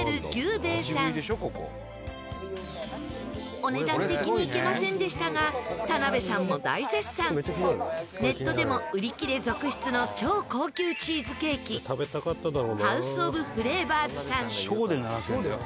お値段的に行けませんでしたが田辺さんも大絶賛ネットでも売り切れ続出の超高級チーズケーキハウスオブフレーバーズさん。